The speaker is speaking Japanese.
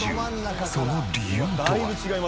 その理由とは？